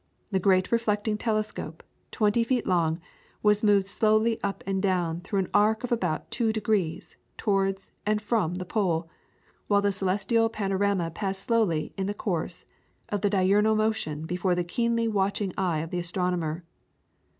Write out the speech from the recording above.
The great reflecting telescope, twenty feet long, was moved slowly up and down through an arc of about two degrees towards and from the pole, while the celestial panorama passed slowly in the course of the diurnal motion before the keenly watching eye of the astronomer.